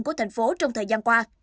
của tp hcm trong thời gian qua